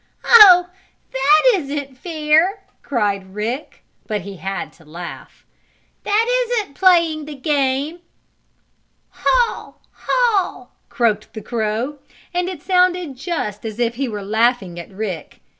"Oh, that isn't fair!" cried Rick, but he had to laugh. "That isn't playing the game!" "Haw! Haw!" croaked the crow, and it sounded just as if he were laughing at Rick.